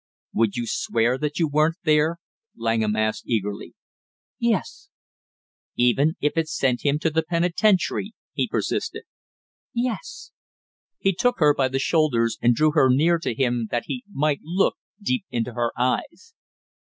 "Would you swear that you weren't there?" Langham asked eagerly. "Yes " "Even if it sent him to the penitentiary?" he persisted. "Yes." He took her by the shoulders and drew her near to him that he might look deep into her eyes.